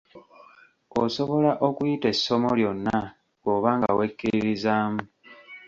Osobola okuyita essomo lyonna bw'oba nga wekkiririzaamu.